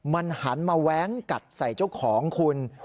มันหันมาแว้งกัดใส่เจ้าของคุณ